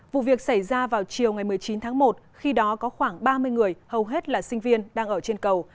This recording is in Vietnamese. vụ việc xảy ra vào chiều một mươi chín tháng một khi đó có khoảng ba mươi người hầu hết là sinh viên đang ở trên cầu